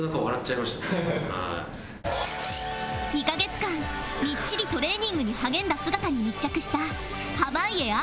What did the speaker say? ２カ月間みっちりトレーニングに励んだ姿に密着した濱家